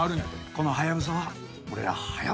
このハヤブサは俺らハヤブサ